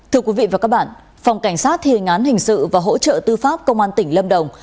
thưa quý vị và các bạn phòng cảnh sát thề ngán hình sự và hỗ trợ tư pháp công an tỉnh lâm đồng